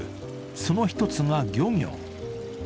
その１つが漁業。